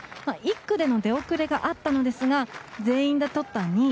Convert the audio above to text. １区での出遅れがあったのですが全員で取った２位。